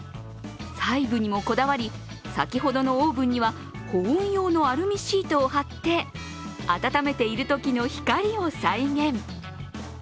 細部にもこだわり、先ほどのオーブンには保温用のアルミシートを貼って温めているときの光を再現。